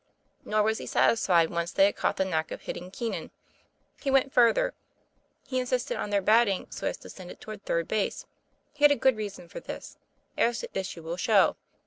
Nor was he satisfied, once they had caught the knack of hitting Keenan. He went further; he insisted on their batting so as to send it toward third base. He had a good reason for this, as the issue will show.